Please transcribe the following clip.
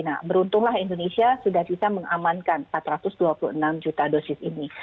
nah beruntunglah indonesia sudah bisa mengamankan empat ratus dua puluh enam juta dosis ini